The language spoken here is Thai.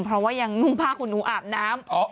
เพราะว่ายังนุ่งผ้าคุณหนูอาบน้ำ